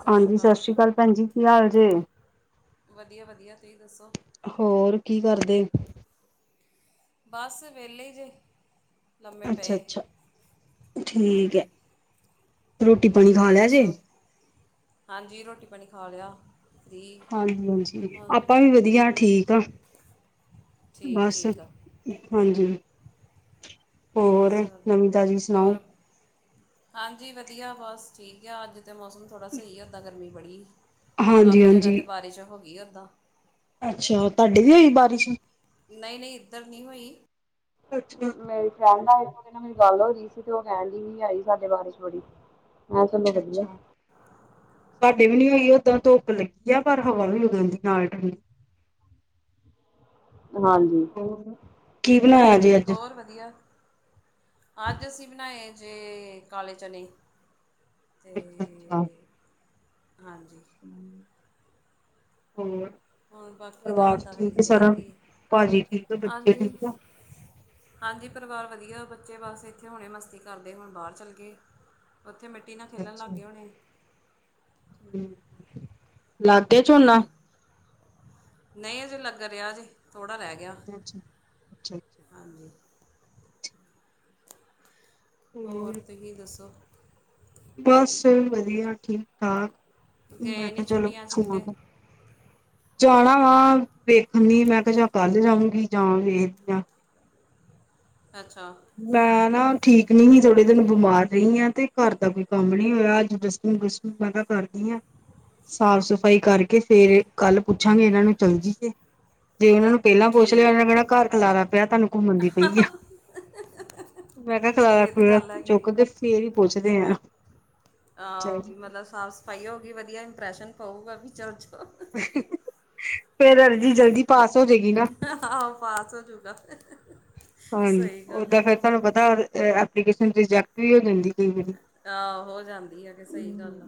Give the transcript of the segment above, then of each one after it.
ਸਤਿ ਸ਼੍ਰੀ ਹਾਂਜੀ ਅਕਾਲ ਸਸ੍ਰੀ ਕਾਲ ਭੈਣ ਜੀ ਕੀ ਹਾਲ ਜੇ ਵਧੀਆ ਵਧੀਆ ਤੁਸੀਂ ਦੱਸੋ ਹੋਰ ਕੀ ਕਰਦੇ ਬਸ ਵਿਹਲੇ ਜੇ ਲੰਮੇ ਅੱਛਾ ਪਏ ਅੱਛਾ ਠੀਕ ਏ ਹਾਂਜੀ ਰੋਟੀ ਪਾਣੀ ਹੋਰ ਖਾ ਤੁਸੀਂ ਲਿਆ ਜੇ ਦੱਸੋ ਹਾਂਜੀ ਰੋਟੀ ਪਾਣੀ ਖਾ ਲਿਆ ਫ੍ਰੀ ਹਾਂਜੀ ਹਾਂਜੀ ਆਪਾਂ ਵੀ ਵਧੀਆ ਠੀਕ ਆ ਠੀਕ ਬਸ ਠੀਕ ਆ ਹਾਂਜੀ ਹੋਰ ਚਲੋ ਨਵੀਂ ਤਾਜ਼ੀ ਸੁਣਾਓ ਹੋਰ ਹਾਂਜੀ ਵਧੀਆ ਬਸ ਠੀਕ ਆ ਅੱਜ ਤਾਂ ਮੌਸਮ ਥੋੜਾ ਸਹੀ ਹੋਦਾ ਗਰਮੀ ਬੜੀ, ਹਾਂਜੀ ਕਾਫੀ ਜਗ੍ਹਾ ਤੇ ਹਾਂਜੀ ਬਾਰਿਸ਼ ਹੋ ਗਈ ਉਦਾ। ਅੱਛਾ ਤਾਡੇ ਵੀ ਹੋਈ ਬਾਰਿਸ਼? ਨਈ -ਨਈ ਇੱਧਰ ਨੀ ਹੋਈ, ਅੱਛਾ ਮੇਰੇ ਖਿਆਲ ਨਾਲ ਓਨੇ ਨਾਲ ਮੇਰੀ ਗੱਲ ਹੋ ਰਹੀ ਸੀ ਤੇ ਉਹ ਕਹਿਣ ਡੀ ਵੀ ਆਈ ਸਾਡੇ ਬਾਰੇ ਚ ਬੜੀ ਮੈਂ ਕਿਹਾ ਚਲੋ ਅੱਛਾ ਵਧੀਆ ਅੱਛਾ। ਸਾਡੇ ਵੀ ਨੀ ਉਈਓ ਉਦਾਂ ਧੁੱਪ ਲੱਗੀ ਆ ਪਰ ਹਵਾ ਵੀ ਲੱਗ ਜਾਂਦੀ ਨਾਲ ਠੰਡੀ ਹਾਂਜੀ। ਹੋਰ, ਕੀ ਬਣਾਇਆ ਜੇ ਅੱਜ? ਬਸ ਵਧੀਆ। ਅੱਜ ਅਸੀਂ ਬਣਾਏ ਜੇ, ਕਾਲੇ ਚਨੇ। ਕਾਲੇ ਚਨੇ ਅੱਛਾ ਤੇ ਹਾਂਜੀ। ਹੂੰ, ਹੋਰ ਹੁਣ ਬਾਕੀ ਪਰਿਵਾਰ ਰਾਤ ਦਾ ਠੀਕ ਐ ਵੇਖਦੇ ਆ ਸਾਰਾ, ਕੀ ਭਾਜੀ ਠੀਕ ਆ ਬੱਚੇ ਹਾਂਜੀ। ਠੀਕ ਆ? ਹਾਂਜੀ ਪਰਿਵਾਰ ਵਧੀਆ ਬੱਚੇ ਬਸ ਇੱਥੇ ਹੁਣੇ ਮਸਤੀ ਕਰਦੇ ਹੁਣ ਬਾਹਰ ਚੱਲੇ ਗੇ। ਬੱਚੇ ਮਿੱਟੀ ਨਾ ਅੱਛਾ ਖੇਲਣ ਅੱਛਾ ਲੱਗ ਗੇ ਹੋਣੇ। ਲੱਗ ਗੇ ਝੋਨਾ? ਨਹੀਂ ਅਜੇ ਲੱਗ ਰਿਹਾ ਜੀ, ਥੋੜਾ ਰਹਿ ਗਿਆ। ਅ ਅੱਛਾ, ਅੱਛਾ ਅੱਛਾ। ਹਾਂਜੀ ਹੋਰ ਤੂੰ ਹੀ ਦੱਸੋ? ਬਸ ਵਧੀਆ ਠੀਕ- ਠਾਕ, ਮੈਂ ਗਏ ਕਿਹਾ ਨਹੀਂ ਚਲੋ ਛੁੱਟੀਆਂ 'ਚ ਫੋ ਕਿਤੇ ਜਾਣਾ ਵਾ ਵੇਖਣਨੀ ਮੈਂ ਕਿਹਾ ਜਾ ਕੱਲ ਜਾਊਗੀ ਜਾਂ ਵੇਖਦੀ ਆ। ਅੱਛਾ ਮੈਂ ਨਾ ਠੀਕ ਨਈ ਜੇ ਥੋੜੇ ਦਿਨ ਬਿਮਾਰ ਰਹੀ ਹਾਂ ਤੇ ਘਰ ਦਾ ਕੋਈ ਕੰਮ ਵੀ ਨੀ ਹੋਇਆ ਅੱਜ ਡੱਸ ਹੁਣ ਡੱਸਟਿੰਗ ਵਗੈਰਾ ਮੈਂ ਕਰਦੀ ਆ। ਸਾਫ -ਸਫ਼ਾਈ ਕਰਕੇ ਫੇਰ ਕੱਲ ਪੁੱਛਾਂਗੇ ਇਹਨਾਂ ਨੂੰ ਚਲ ਜੀ ਏ, ਜੇ ਇਨਾਂ ਨੂੰ ਪਹਿਲਾਂ ਪੁੱਛ ਲਿਆ ਇਨਾ ਠੀਕ ਨੇ ਕਹਿਣਾ ਘਰ ਖਲਾਰਾ ਪਿਆ ਤਾਨੂੰ ਘੁੰਮਣ ਦੀ ਪਈ ਆ। [inaudible] ਮੈਂ ਕੇਆ ਖਲਾਰਾ- ਇਹ ਤਾਂ ਖਲੁਰਾ ਗੱਲ ਹੈਗੀ ਚੁੱਕਦੇ ਫੇਰ ਹੀ ਪੁੱਛਦੇ ਆ। ਆ ਹੋ ਵੀ ਮਤਲਬ ਸਾਫ਼ -ਸਫਾਈ ਹੋਊਗੀ ਵਧੀਆ ਇੰਪਰੈਸ਼ਨ ਪਊਗਾ ਵੀ ਚਲ-ਚਲ [inaudible] ਫੇਰ ਅਰਜ਼ੀ ਜਲਦੀ ਪਾਸ ਹੋ ਜੇਗੀ ਨਾ। ਆਹੋ ਪਾਸ ਹੋ ਜੂਗਾ ਹਾਂਜੀ ਸਹੀ ਗੱਲ ਉਦਾਂ ਹੈ ਫੇਰ ਤੁਹਾਨੂੰ ਪਤਾ ਅ ਐਪਲੀਕੇਸ਼ਨ ਰਿਜੈਕਟ ਵੀ ਹੋ ਜਾਂਦੀ ਕਈ ਵਾ ਆਹ ਹੋ ਜਾਂਦੀ ਆ ਏ ਤੇ ਸਹੀ ਗੱਲ ਆ।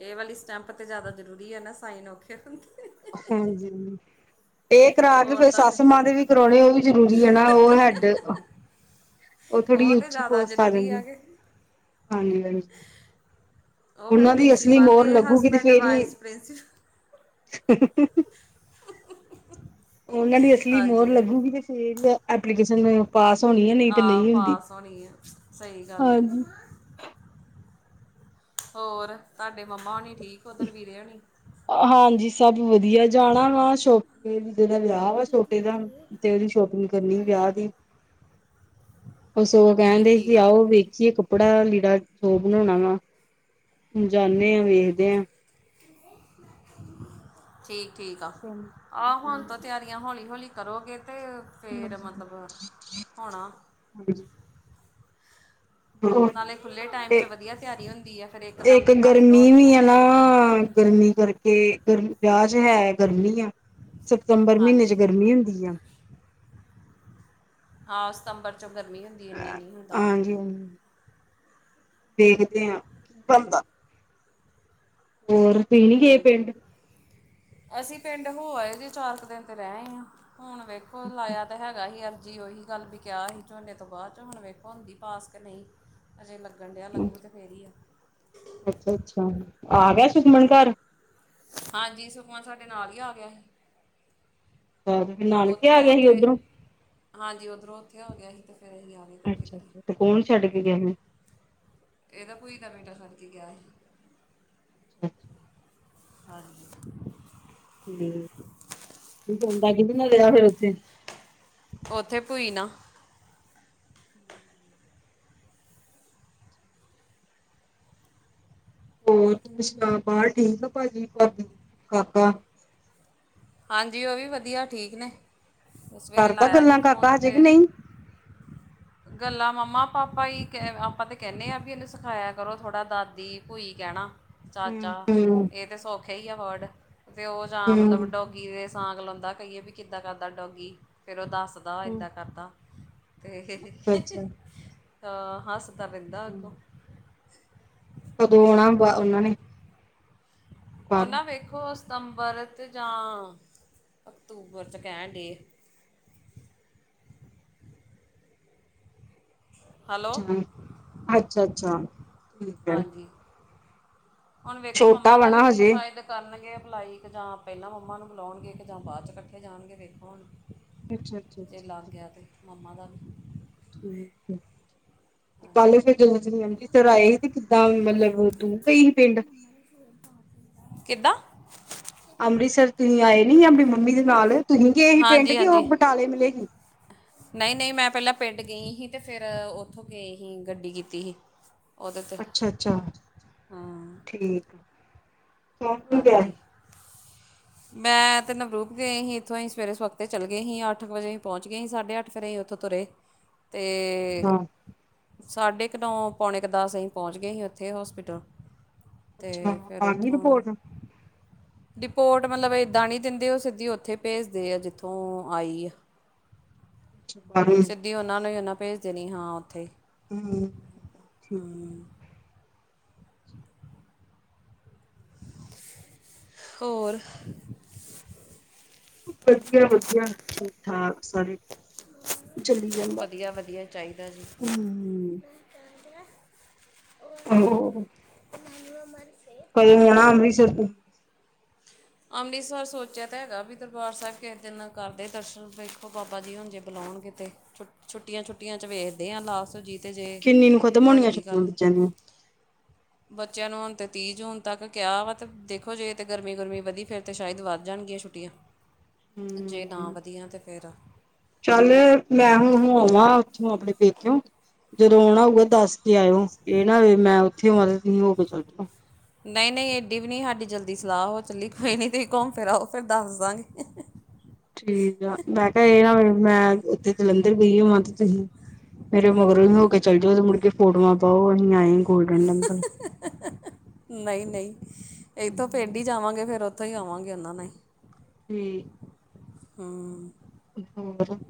ਇਹ ਵਾਲੀ ਸਟੈਂਪ ਤੇ ਜ਼ਿਆਦਾ ਜ਼ਰੂਰੀ ਆ ਨਾ ਸਾਈਨ ਔਖੇ ਹੁੰਦੇ। ਹਾਂਜੀ। ਇਹ ਕਰਾ ਕੇ ਹੋਰ ਫੇਰ ਤੁਹਾਡੇ ਸੱਸ ਮਾਂ ਦੇ ਵੀ ਕਰਾਉਣੇ ਉਹ ਵੀ ਜਰੂਰੀ ਆ ਨਾ ਉਹ ਹੈਡ ਉਹ ਥੋੜੀ ਜਿਹੀ ਤੇ ਉੱਚੀ ਜ਼ਿਆਦਾ ਪੋਸਟ ਆ ਜ਼ਰੂਰੀ ਜਾਦੀ, ਕਿ ਹਾਂਜੀ ਹਾਂਜੀ। ਉਹ ਫਿਰ ਉਨਾਂ ਦੀ ਅਸਲੀ ਪ੍ਰਿੰਸੀਪਲ ਮੋਰ ਨੇ ਲੱਗੂਗੀ ਤੇ ਹਸਬੈਂਡ ਫੇਰ ਈ ਵਾਈਸ ਪ੍ਰਿੰਸੀਪਲ ਉਨਾਂ ਦੀ ਅਸਲੀ ਮੋਹਰ ਹਾਂਜੀ ਹਾਂਜੀ ਲੱਗੂਗੀ ਤੇ ਫੇਰ ਈ ਐਪਲੀਕੇਸ਼ਨ ਪਾਸ ਹੋਣੀ ਐ ਨੀ ਤੇ ਨੀ ਆ ਹੁੰਦੀ, ਪਾਸ ਹੋਣੀ ਹੈ ਸਹੀ ਗੱਲ ਹੈ ਹਾਂਜੀ। ਹੋਰ ਤੁਹਾਡੇ ਮੰਮਾ ਓਣੀ ਠੀਕ ਓਧਰ ਵੀਰੇ ਓਣੀ? ਹਾਂਜੀ ਸਭ ਵਧੀਆ ਜਾਣਾ ਵਾ ਸ਼ੋਪ ਮੇਰੇ ਵੀਰੇ ਦਾ ਵਿਆਹ ਵਾ ਛੋਟੇ ਦਾ, ਤੇ ਉਹਦੀ ਸ਼ੋਪਿੰਗ ਕਰਨੀ ਵਿਆਹ ਦੀ। ਬਸ ੳਈ ਠੀਕ ਕਹਿੰਦੇ ਠੀਕ ਕਿ ਆ ਆਓ ਵੇਖੀਏ ਕੱਪ ਕੱਪੜਾ ਲੀੜਾ ਜੋ ਬਣਓਣਾ ਵਾ ਹੁਣ ਜਾਣੇ ਆ ਵੇਖਦੇ ਆ। ਠੀਕ-ਠੀਕ ਆ ਹਾਂਜੀ। ਆਹ ਹੁਣ ਤਾ ਤਿਆਰੀ ਹੌਲੀ-ਹੌਲੀ ਕਰੋਗੇ ਤੇ ਫੇਰ ਮਤਲਬ ਹੋਣਾ। ਹਾਂ ਨਾਲੇ ਖੁੱਲ੍ਹੇ ਟਾਈਮ ਤੇ 'ਚ ਵਧੀਆ ਤਿਆਰੀ ਹੁੰਦੀ ਆ ਫਿਰ ਇੱਕਦਮ ਏਕ 'ਚ ਭੱਜ ਗਰਮੀ ਦੌੜ 'ਚ ਵੀ ਨੀ। ਏ ਨਾ ਗਰਮੀ ਕਰਕੇ ਗਰ ਵਿਆਹ ਚ ਹੈ ਗਰਮੀ ਆ ਸਤੰਬਰ ਮੀਨੇ ਚ ਗਰਮੀ ਹੁੰਦੀ ਆ। ਹਾਂ ਸਤੰਬਰ ਚੋ ਗਰਮੀ ਹੁੰਦੀ ਇੰਨੀ ਨੀ ਹੁੰਦਾ। ਹਾਂਜੀ ਦੇੇਖਦੇ ਹਾਂ ਕੀ ਬਣਦਾ। ਹੋਰ ਤੁਸੀਂ ਨੀ ਗਏ ਠੀਕ-ਠੀਕ। ਪਿੰਡ? ਅਸੀਂ ਪਿੰਡ ਹੋ ਆਏ ਜੇ ਚਾਰ ਕੁ ਦਿਨ ਤੇ ਰੈ ਆਏ ਆ ਹੁਣ ਵੇਖੋ ਲਾਇਆ ਤੇ ਹੈਗਾ ਹੀ ਅਰਜ਼ੀ ਓਹੀ ਗੱਲ ਬੀ ਕਿਹਾ ਸੀ ਝੋਨੇ ਤੋਂ ਬਾਦ ਚੋ ਵੇਖੋ ਹੁੰਦੀ ਪਾਸ ਕੇ ਨਈ। ਅਜੇ ਲੱਗਣ ਡਿਆ ਲੱਗੂ ਤੇ ਫੇਰ ਈ ਆ। ਅੱਛਾ-ਅੱਛਾ ਆ ਗਯਾ ਸੁੱਖਮਨ ਘਰ ਹਾਂਜੀ ਸੁੱਖਮਨ ਸਾਡੇ ਨਾਲ ਈ ਆ ਗਿਆ ਹੀ। ਫੇਰ ਨਾਨਕੇ ਆ ਉੱਥੋਂ ਗਿਆ ਹੀ ਉੱਥੇ ਓਧਰੋਂ ਹਾਂਜੀ ਓਧਰੋਂ ਓੱਥੇ ਆ ਗਿਆ ਹੀ ਤੇ ਫਿਰ ਅਹੀ ਆ ਗਏ ਇਕੱਠੇ ਘਰੇ ਅੱਛਾ-ਅੱਛਾ ਤੇ ਕੌਣ ਛੱਡ ਕੇ ਗਿਆਂ ਫੇਰ? ਏਦਾ ਪੂਈ ਦਾ ਬੇਟਾ ਛੱਡ ਕੇ ਗਯਾ ਹੀ। ਹਾਂਜੀ। ਠੀਕ ਤੇ ਸੌਂਦਾ ਕਿਦੇ ਨਾਲ ਰਿਹਾ ਫੇਰ ਓੱਥੇ? ਓੱਥੇ ਪੂਈ ਨਾ ਹੋਰ ਤੂੰ ਸੁਣਾ ਬਾਹਰ ਠੀਕ ਆ ਪਾਜੀ, ਪਰਦੀਪ, ਕਾਕਾ। ਹਾਂਜੀ ਓ ਵੀ ਵਧੀਆ ਠੀਕ ਨੇ। ਸਵੇਰੇ ਕਰਦਾ ਲਾਇਆ ਗੱਲਾਂ ਸੀ ਫੋਨ ਕਾਕਾ ਹਜੇ ਕੇ ਤੇ ਨਈ। ਗੱਲਾਂ ਮੰਮਾ-ਪਾਪਾ ਈ ਆਪਾਂ ਤੇ ਕੈਣੇ ਆ ਬੀ ਏਨੂੰ ਸਿਖਾਯਾ ਕਰੋ ਥੋੜ੍ਹਾ ਦਾਦੀ ਪੂਈ ਕੈਣਾ। ਚਾਚਾ ਹੂੰ ਏ ਤੇ ਸੌਖੇ ਈ ਆ ਵਰਡ ਤੇ ਓ ਜਾਂ ਮਤਲਬ ਹੂੰ ਡੋਗੀ ਦੇ ਸਾਂਗ ਲਾਓਂਦਾ ਕਹੀਏ ਵੀ ਕਿੱਦਾਂ ਕਰਦਾ ਡੋਗੀ ਫੇਰ ਓ ਦੱਸਦਾ। ਤਾਂ ਏਦਾਂ ਕਰਦਾ ਤੇ ਅੱਛਾ ਅੱਛਾ। ਹਾਂ ਹੱਸ ਪੈਂਦਾ ਅਗੋ। ਕਦੋਂ ਔਣਾ ਬਾ ਓਨਾਂ ਨੇ? ਓ ਬਾਹਰੋਂ ਨਾ ਵੇਖੋ ਸਤੰਬਰ ਤੇ ਜਾਂ ਅਕਤੂਬਰ ਚ ਕੈਣ ਡੇ। ਹਲੋ ਅੱਛਾ-ਅੱਛਾ-ਅੱਛਾ ਠੀਕ ਐ। ਹਾਂਜੀ ਹੁਣ ਵੇਖੋ ਛੋਟਾ ਮੰਮਾ ਵਾ ਦਾ ਵੀ ਨਾ ਕੋਈ ਹਜੇ ਸ਼ਾਇਦ ਕਰਨਗੇ ਅਪਲਾਈ ਕੇ ਜਾਂ ਪੈਲਾਂ ਮੰਮਾ ਨੂੰ ਬੋਲਾਓਣਗੇ ਕੇ ਜਾਂ ਬਾਅਦ ਚ ਇਕੱਠੇ ਜਾਣਗੇ ਵੇਖੋ ਹੁਣ। ਅੱਛਾ ਅੱਛਾ ਜੇ ਅੱਛਾ ਲੱਗ ਅੱਛਾ ਗਯਾ ਤੇ ਮੰਮਾ ਦਾ ਵੀ ਠੀਕ ਐ। ਤੇ ਕੱਲ ਫਿਰ ਜਦੋਂ ਅੰਮ੍ਰਿਤਸਰ ਆਏ ਹੀ ਤੇ ਕਿੱਦਾਂ ਮਤਲਬ ਤੂੰ ਪਈ ਹੀ ਪਿੰਡ। ਕਿੱਦਾਂ? ਅੰਮ੍ਰਿਤਸਰ ਤੁਹੀਂ ਆਏ ਨੀ ਆਪਣੀ ਮੰਮੀ ਦੇ ਨਾਲ ਤੁਹੀ ਗਏ ਹੀ ਪਿੰਡ ਕਿ ਓ ਬਟਾਲੇ ਮਿਲੇ ਸੀ। ਨਈ-ਨਈ ਮੈਂ ਪੈਲਾਂ ਪਿੰਡ ਗਈ ਹੀ ਤੇ ਫਿਰ ਓਥੋਂ ਗਏ ਹੀ ਗੱਡੀ ਕੀਤੀ ਹੀ। ਓਦੇ ਤੇ ਅੱਛਾ ਅੱਛਾ ਹਾਂ। ਠੀਕ। ਕੌਣ ਕੌਣ ਗਿਆ ਹਾਂਜੀ। ਸੀ ਮੈਂ ਤਾਂ ਨਵਰੂਪ ਗਯੇ ਹੀ। ਇੱਥੋਂ ਅਹੀ ਸਵੇਰੇ ਸ਼ੋਪ ਤੇ ਚੱਲ ਗਏ ਹੀ, ਅੱਠ ਵਜੇ ਪੋਚ ਗਏ ਸੀ ਸਾਢੇ ਅੱਠ ਫੇਰ ਏ ਉੱਥੋਂ ਤੁਰੇ ਤੇ ਹਾਂ ਸਾਢੇ ਕੁ ਨੌਂ, ਪੌਣੇ ਕੁ ਦਸ ਅਸੀਂ ਪਹੁੰਚ ਗਏ ਸੀ ਉੱਥੇ ਹੋਸਪਿਟਲ। ਅੱਛਾ, ਅਤੇ ਫਿਰ ਆਗੀ ਉੱਥੋਂ ਰਿਪੋਰਟ? ਰਿਪੋਰਟ ਮਤਲਬ ਏਦਾਂ ਨਹੀਂ ਦਿੰਦੇ ਉਹ ਸਿੱਧੀ ਉੱਥੇ ਭੇਜਦੇ ਆ ਜਿੱਥੋਂ ਆਈ ਆ। ਅੱਛ ਬ ਬੀ ਉਨਾਂ ਨੇ ਉਨਾਂ ਭੇਜ ਦੇਣੀ ਹਾਂ ਉੱਥੇ ਹਮ ਠੀਕ ਏ। ਹੋਰ ਵਧੀਆ- ਵਧੀਆ ਠੀਕ-ਠਾਕ। ਸਾਰੇ ਚਲੀ ਜਾਂਦਾ ਵਧੀਆ ਵਧੀਆ ਚਾਹੀਦਾ ਜੀ ਹਮ [inaudible] [inaudible] ਕੋਈ ਨੀ ਆਣਾ ਅੰਮ੍ਰਿਤਸਰ ਤੁਹੀ। ਅੰਮ੍ਰਿਤਸਰ ਸੋਚਿਆ ਤਾਂ ਹੈਗਾ ਵੀ ਦਰਬਾਰ ਸਾਹਿਬ ਕਿਸ ਦਿਨ ਕਰਦੇ ਦਰਸ਼ਨ ਵੇਖੋ ਬਾਬਾ ਜੀ ਹ ਜੇ ਬੁਲਾਉਣ ਗੇ ਤੇ। ਛੁ ਛੁੱਟੀਆਂ- ਛੱਟੀਆਂ ਚ ਵੇਖਦੇ ਆਾਂ ਲਾਸਟ ਵਿਚ ਤੇ ਜੇ ਕਿੰਨੀ ਨੂੰ ਖਤਮ ਹੋਣੀਆਂ ਬਣਗੀ ਛੁੱਟੀਆਂ ਗੱਲ। ਬੱਚਿਆਂ ਦੀਆਂ ਬੱਚੇਆਂ ਨੂੰ ਹੁਣ ਤੇ ਤੀਹ ਜੂਨ ਤੱਕ ਕਯਾ ਵਾਂ ਤੇ ਦੇਖੋ ਜੇ ਤੇ ਗਰਮੀ-ਗਰਮੀ ਵਧੀ ਫੇਰ ਤੇ ਸ਼ਾਇਦ ਵੱਧ ਜਾਨਗੀਆਂ ਛੁੱਟੀਆਂ, ਜੇ ਨਾ ਹਮ ਵਧੀਆ ਤੇ ਫੇਰ ਚੱਲ, ਮੈਂ ਹੁਣ ਹੋ ਆਵਾਂ ਉੱਥੋਂ ਆਪਣੇ ਪੇਕੇਯੋਂ ਜਦੋਂ ਆਉਣਾ ਹੋਵੇ ਦੱਸ ਕੇ ਆਯੋ, ਏ ਨਾ ਹੋਵੇ ਮੈਂ ਉੱਥੇ ਹੋਵਾ ਤੇ ਤੁਸੀਂ ਹੋ ਕੇ ਚੱਲ ਜੋਂ। ਨਹੀਂ-ਨਹੀਂ ਏਡੀ ਵੀ ਨਈ ਹਾਡੀ ਜਲਦੀ ਸਲਾਹ ਹੋ ਚੱਲੀ, ਕੋਈ ਨੀ ਤੁਸੀਂ ਘੁੰਮ ਫਿਰ ਆਓ ਦੇਰ ਦੱਸ ਦਾਂਗੇ। ਠੀਕ ਆ, ਮੈਂ ਕਿਯਾਂ ਏ ਨਾ ਹੋਵੇ ਮੈਂ ਉੱਥੇ ਜਲੰਧਰ ਗਈ ਹੋਵਾਂ, ਤੇ ਤੁਸੀਂ ਮੇਰੇ ਮਗਰੋਂ ਹੀ ਹੋ ਕੇ ਚੱਲ ਜਾਓ ਮੁੜਕੇ ਫੋਟੋਵਾਂ ਪਾਓ ਅਸੀਂ ਆਏ ਗੋਲਡਨ ਟੈਂਪਲ। ਨਈ -ਨਈ ਏਥੋਂ ਪਿੰਡ ਹੀ ਜਾਵਾਂਗੇ, ਫੇਰ ਉੱਥੋਂ ਹੀ ਆਵਾਂਗੇ [unintelligible] ਹਮ ਹਮ ਹੋਰ [inaudible]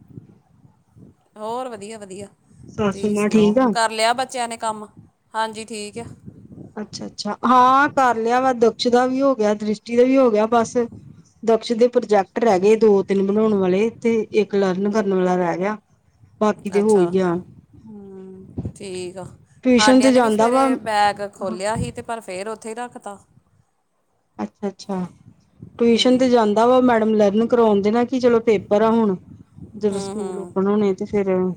ਹੋਰ ਵਧੀਆ-ਵਧੀਆ ਸਾਸੂ ਤੁਸੀ ਮਾਂ ਸੁਨਾਓ, ਠੀਕ ਆ? ਕਰ ਲਯਾ ਬੱਚੇਆਂ ਨੇ ਕੰਮ ਹਾਂਜੀ ਠੀਕ ਅ। ਅੱਛਾ-ਅੱਛਾ ਹਾਂ ਕਰ ਲਯਾ ਵਾ, ਦਕਸ਼ ਦਾ ਵੀ ਹੋ ਗਯਾ, ਦ੍ਰਿਸ਼ਟੀ ਦਾ ਵੀ ਹੋ ਗਯਾ ਬਸ। ਦਕਸ਼ ਦੇ ਪ੍ਰੋਜੈਕਟ ਰ ਗਏ ਦੋ- ਤਿੰਨ ਬਣਾਉਣ ਵਾਲੇ ਤੇ ਇੱਕ ਲਰਨ ਕਰਨ ਵਾਲਾ ਰਹਿ ਗਯਾ। ਅੱਛਾ, ਠੀਕ ਆ। ਟਿਊਸ਼ਨ ਹਾਡਿਆਂ ਤੇ ਨੇ ਵੀ ਜਾਂਦਾ ਵਾ ਸਵੇਰੇ ਬੈਗ ਖੋਲਿਯਾ ਹੀ ਤੇ ਪਰ ਫੇਰ ਉੱਥੇ ਹੀ ਰੱਖ ਤਾ। ਅੱਛਾ, ਟਿਊਸ਼ਨ ਤੇ ਜਾਂਦਾ ਵਾ ਮੈਡਮ ਲਰਨ ਕਰਵਾਉਣ ਦੀ ਨਾ ਕਿ ਚਲੋ ਪੇਪਰ ਆ ਹੁਣ। ਜਦੋਂ ਹੂੰ ਸਕੂਲ ਹੂੰ ਓਪਨ ਹੋਨੇ ਤੇ ਫੇਰ ਓ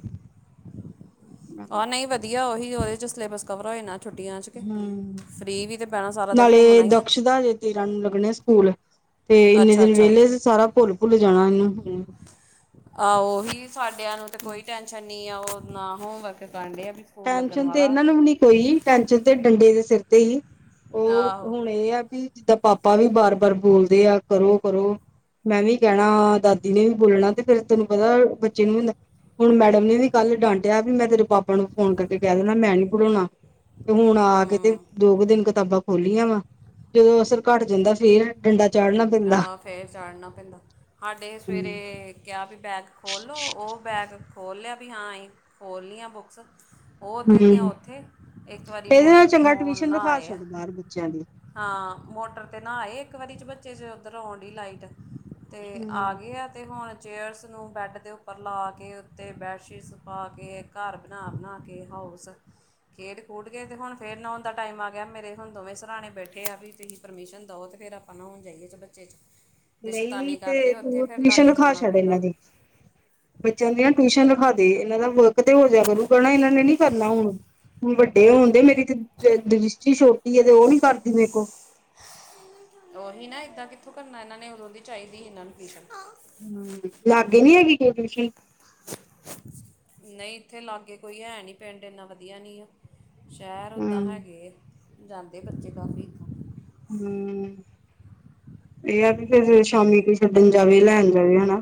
ਆ ਨਈ ਵਧੀਆ ਉਹੀ ਉਦੇ ਚ ਸਲੇਬਸ ਕਵਰ ਹੋ ਜਾ। ਛੁੱਟੀਆਂ ਚ ਕੇ ਫਰੀ ਵੀ ਤੇ ਭੈਣਾਂ ਸਾਰਾ ਦਿਨ ਨਾਲੇ ਘੁੰਮਨਾ ਇ ਆ। ਦਕਸ਼ ਦਾ ਹਜੇ ਤੇਰਾਂ ਨੂੰ ਲੱਗਣੇ ਸਕੂਲ ਤੇ ਇੰਨੇ ਅੱਛਾ ਦਿਨ ਅੱਛਾ ਵੇਹਲੇ ਸਾਰਾ ਭੋ ਭੁੱਲ- ਭੁੱਲ ਜਾਨਾ ਵੇ ਆਹ ਉਹੀ ਸਾਡਿਆਂ ਨੂੰ ਤੇ ਕੋਈ ਟੈਨਸ਼ਨ ਨੀ ਆ ਉਹ ਨਾ ਹੋਮ ਵਰਕ ਕਰਨ ਡੇ ਸਕੂਲ ਲੱਗਣ ਟੈਨਸ਼ਨ ਤੇ ਵਾਲਾ ਇਹਨਾਂ ਨੂੰ ਵੀ ਨੀ ਕੋਈ ਟੈਨਸ਼ਨ ਤੇ ਡੰਡੇ ਦੇ ਸਿਰ ਤੇ ਹੀ। ਉਹ ਆਹੋ ਹੁਣ ਏ ਯਾ ਵੀ ਜਿੱਦਾਂ ਪਾਪਾ ਵੀ ਵਾਰ ਬਾਰ ਬੋਲਦੇ ਆ ਕਰੋ-ਕਰੋ। ਮੈਂ ਵੀ ਕਹਿਣਾ ਦਾਦੀ ਨੇ ਵੀ ਬੋਲਣਾ ਤੇ ਫੇਰ ਤੈਨੂੰ ਪਤਾ ਬੱਚੇ ਨੂੰ ਹੁਣ ਮੈਡਮ ਨੇ ਵੀ ਕੱਲ ਡਾਂਟਿਆ, ਪੀ ਮੈਂ ਤੇਰੇ ਪਾਪਾ ਨੂੰ ਫੋਨ ਕਰਕੇ ਕੈਅ ਦੇਣਾ ਮੈਂ ਨੀਂ ਪੜ੍ਹਾਉਣਾ। ਤੇ ਹੁਣ ਆ ਕੇ ਤੇ ਹੂੰ ਦੋ ਕੁ ਦਿਨ ਕਿਤਾਬਾਂ ਖੋਲੀਆਂ ਵਾਂ, ਜੇ ਅਸਰ ਘੱਟ ਜਾਂਦਾ ਫੇਰ। ਡੰਡਾ ਚਾੜ੍ਹਨਾ ਆਹੋ ਫੇਰ ਚਾੜਨਾ ਪੈਂਦਾ, ਹਾਡੇ ਹਮ ਸਵੇਰੇ ਕਿਆ ਪੀ ਬੈਗ ਖੋਲ ਲੋ, ਓ ਬੈਗ ਖੋਲ ਲਿਆ ਪੀ ਹਾਂ ਅਹੀਂ ਖੋਲ ਲੀਆਂ ਬੁੱਕਸ। ਓ ਉੱਥੇ ਦੀਆਂ ਓਥੇ, ਇੱਕ ਵਾਰੀ ਇਹਦੇ ਨਾਲ ਮੋਟਰ ਚੰਗਾ ਤੋਂ ਟਿਊਸ਼ਨ ਨਾਂਅ ਰਖਾ ਆਏ। ਛੱਡ ਬਾਹਰ ਬੱਚਿਆਂ ਦੀ ਹਾਂ, ਮੋਟਰ ਤੇ ਨਾ ਆਏ, ਇੱਕ ਵਾਰੀ ਚਬੱਚੇ ਚ ਉੱਧਰੋਂ ਆਉਣ ਡਈ ਲਾਈਟ। ਤੇ ਆ ਹੂੰ, ਗੇ ਆ ਤੇ ਹੁਣ ਚੇਅਰਸ ਨੂੰ ਬੈਡ ਦੇ ਉੱਪਰ ਲਾ ਕੇ ਉੱਤੇ ਬੈਡਸ਼ੀਟਸ ਪਾ ਕੇ ਘਰ ਬਣਾ, ਬਣਾ ਕੇ ਹਾਉਸ ਖੇਡ-ਖੂਡ ਕੇ ਤੇ ਹੁਣ ਫੇਰ ਨਉਣ ਦਾ ਟਾਈਮ ਆ ਗਿਆ ਮੇਰੇ ਹੁਣ ਦੋਵੇਂ ਸਰਾਣੇ ਬੈਠੇ ਆ ਵੀ ਤੁਹੀ ਪਰਮੀਸ਼ਨ ਦੋ ਤੇ ਫਿਰ ਆਪਾਂ ਨੌਉਣ ਜਾਈਏ ਚਬੱਚੇ ਚ। ਤੇ ਨਈਂ ਸ਼ੈਤਾਨੀ ਤੇ ਕਰਦੇ ਉੱਥੇ ਤੂੰ ਫਿਰ ਟਵੀਸ਼ਨ ਲਾਗੇ ਰਖਾ ਖਲੋਣਾ ਛੱਡ ਪੈਂਦਾ ਇਨ੍ਹਾਂ ਦੀ। ਬੱਚਿਆਂ ਦੀ ਨਾ ਟਵੀਸ਼ਨ ਰਖਾ ਦੇ, ਇਨ੍ਹਾਂ ਦਾ ਵਰਕ ਤੇ ਹੋ ਜਾਇਆ ਕਰੂਗਾ ਨਾਂ ਇਨ੍ਹਾਂ ਨੇ ਨੀਂ ਕਰਨਾ ਹੁਣ। ਵੱਡੇ ਹੁਣ ਡੇ, ਮੇਰੀ ਕ ਦਰਿਸ਼ਟੀ ਛੋਟੀ ਐ ਤੇ ਓ ਨੀਂ ਕਰਦੀ ਮੇਂ ਕੋ। ਓਹੀ ਨਾਂ ਏਦਾਂ ਕਿੱਥੋਂ ਕਰਨਾ ਇਨ੍ਹਾਂ ਨੇ, ਉਦੋਂ ਦੀ ਚਾਈਦੀ ਹੀ ਇਨ੍ਹਾਂ ਨੂੰ ਟਵੀਸ਼ਨ। ਹਂ, ਲਾਗੇ ਨੀਂ ਹੈਗੀ ਕੋਈ ਟਵੀਸ਼ਨ। ਨਈਂ ਇੱਥੇ ਲਾਗੇ ਕੋਈ ਹੈ ਨੀਂ, ਪਿੰਡ ਇੰਨਾਂ ਵਧੀਆ ਨੀਂ ਆ। ਸੈ਼ਰ ਓਦਾਂ ਹਮ ਹੈਗੇ, ਜਾਂਦੇ ਬੱਚੇ ਕਾਫੀ। ਹਂ। ਏ ਆ ਪੀ ਫਿਰ ਸ਼ਾਮੀ ਕੋਈ ਛੱਡਣ ਜਾਵੇ, ਲੈਣ ਜਾਵੇ, ਹਨਾਂ।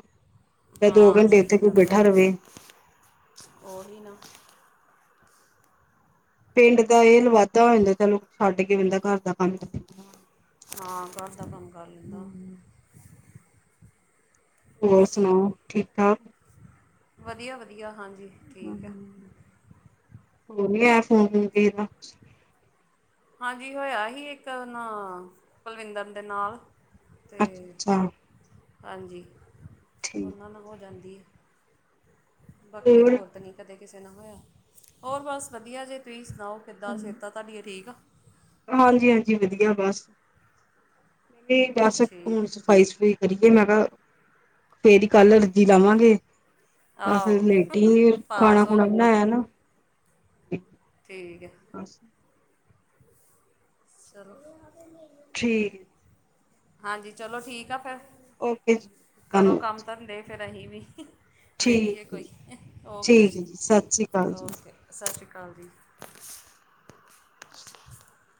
ਹਾਂ, ਛੱਡਣ ਜਾਵੇ, ਰਵੇ ਲੈਣ ਓਹੀ ਨਾਂ। ਪਿੰਡ ਦਾ ਇਹ ਲ ਵਾਧਾ ਹੋ ਜਾਂਦਾ ਚਲੋ, ਛੱਡ ਕੇ ਬੈਂਦਾ ਘਰ ਦਾ ਕੰਮ ਹਾਂ, ਘਰ ਦਾ ਕੰਮ ਕਰ ਲੈਂਦਾ ਹਮ। ਹੋਰ ਸੁਣਾਓ ਠੀਕ-ਠਾਕ। ਵਧੀਆ ਵਧੀਆ, ਹਾਂਜੀ। ਹਂ, ਠੀਕ ਆ ਹੋਰ ਨੀਂ ਆਇਆ ਫੋਨ-ਫੂਨ ਕੇਹੇਦਾ। ਹਾਂਜੀ ਹੋਇਆ ਹੀ ਇੱਕ ਨਾਂ ਕੁਲਵਿੰਦਰ ਦੇ ਨਾਲ। ਅੱਛਾ ਤੇ ਅੱਛਾ ਹਾਂਜੀ, ਠੀਕ ਉਨ੍ਹਾਂ ਨਾ ਹੋ ਜਾਂਦੀ ਏ। ਬਾਕੀ ਹੋਰ ਤਾਂ ਨਈਂ ਕਦੇ ਕਿਸੇ ਨਾ ਹੋਇਆ, ਹੋਰ ਬਸ ਵਧੀਆ ਜੇ ਤੁਸੀਂ ਸੁਣਾਓ ਕਿੱਦਾਂ ਸੇਹਿਤਾਂ। ਤਾਡੀਆਂ ਠੀਕ ਆ। ਹਾਂਜੀ ਹਾਂਜੀ, ਵਧੀਆ ਬਸ। [unintelligible] ਬਸ ਹੁਣ ਠੀਕ ਸਫਾਈ-ਸੂਫੁਈ ਕਰੀਏ ਮੈਂ ਕਿਆ, ਫੇਰ ਈ ਕਲ ਅਰਜ਼ੀ ਲਾਵਾਂਗੇ। ਬਸ ਆਹੋ ਲੇਟੀ, ਪਾਸ ਹੋ ਖਾਣਾ-ਖੁਣਾ ਜੂਗੀ ਬਣਾਇਆ ਨਾਂ। ਠੀਕ ਐ। [inaudible] ਚਲੋ। ਠੀਕ। ਹਾਂਜੀ, ਚਲੋ ਠੀਕ ਆ ਫਿਰ। ਓਕੇ ਜੀ ਕਰੋ ਧੰਨਵਾਦ ਕੰਮ ਜੀ ਧੰਦੇ। ਫਿਰ ਅਹੀਂ ਵੀ, ਠੀਕ ਵੇਖੀਏ ਹੈ ਕੋਈ, ਜੀ ਓਕੇ ਠੀਕ ਹੈ ਜੀ, ਸਤਿ ਸ਼੍ਰੀ ਅਕਾਲ ਜੀ। ਓਕੇ। ਸਤਿ ਸ਼੍ਰੀ ਅਕਾਲ ਜੀ। [inaudible]